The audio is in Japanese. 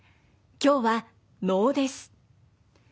今日は能です。